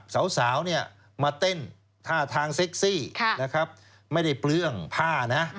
สาวเนี่ยมาเต้นท่าทางเซ็กซี่นะครับไม่ได้เปลื้องผ้านะ